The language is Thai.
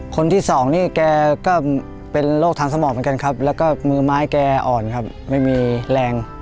คนที่สองนี่แกก็เป็นโรคทางสมองเหมือนกันครับแล้วก็มือไม้แกอ่อนครับไม่มีแรง